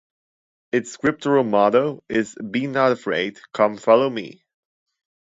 Its scriptural motto is "Be Not Afraid...Come Follow Me".